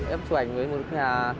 em chụp ảnh với một nhà